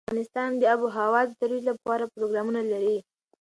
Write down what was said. افغانستان د آب وهوا د ترویج لپاره پروګرامونه لري.